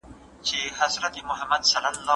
نورو ته په مال کي زیان مه رسوئ.